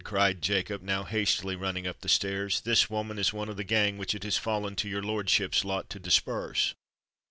cried Jacob now hastily running up the stairs. "This woman is one of the gang which it has fallen to your lordship's lot to disperse."